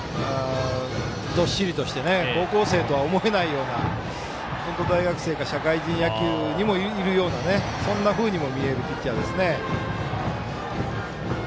どっしりとして高校生とは思えないような本当、大学生か社会人野球にもいるようなそんなふうにも見えるピッチャーですね。